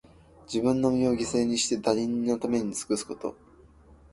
自分の身を犠牲にして、他人のために尽くすこと。